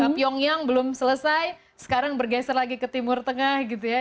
pyongyang belum selesai sekarang bergeser lagi ke timur tengah gitu ya